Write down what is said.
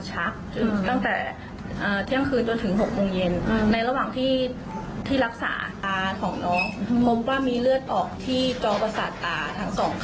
จนกระทั่งคุณตำรวจเรียกไปสอบสวรรค์